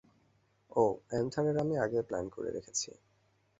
ওহ, Esther আর আমি আগেই প্ল্যান করে রেখেছি।